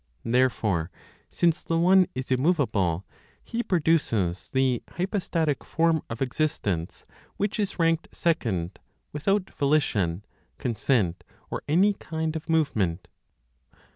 Therefore, since the One is immovable, He produces the hypostatic (form of existence) which is ranked second, without volition, consent, or any kind of movement.